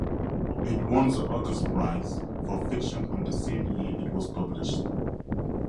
It won the August Prize for Fiction on the same year it was published.